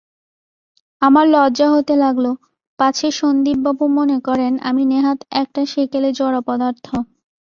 আমার লজ্জা হতে লাগল, পাছে সন্দীপবাবু মনে করেন আমি নেহাৎ একটা সেকেলে জড়পদার্থ।